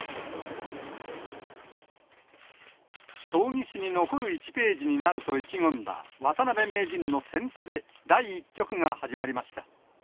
将棋史に残る１ページになると意気込んだ、渡辺名人の先手で第１局が始まりました。